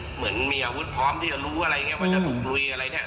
เหมือนมีอาวุธพร้อมที่จะรู้ว่าจะถูกลุยอะไร